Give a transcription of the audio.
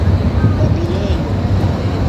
babilejo